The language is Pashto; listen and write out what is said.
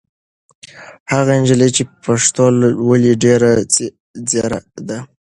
هغه نجلۍ چې پښتو لولي ډېره ځېره ده.